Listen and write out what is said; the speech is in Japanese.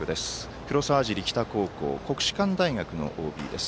黒沢尻北高校国士舘大学のＯＢです。